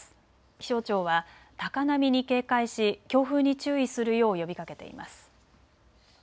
気象庁は高波に警戒し強風に注意するよう呼びかけています。